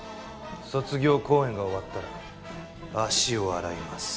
卒業公演が終わったら足を洗います。